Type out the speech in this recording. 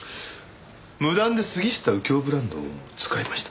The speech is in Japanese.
無断で杉下右京ブランドを使いました。